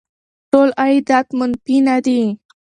ټول عایدات منفي نه دي.